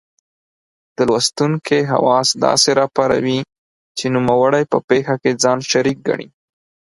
د لوستونکې حواس داسې را پاروي چې نوموړی په پېښه کې ځان شریک ګڼي.